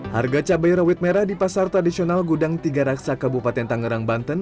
harga cabai rawit merah di pasar tradisional gudang tiga raksa kabupaten tangerang banten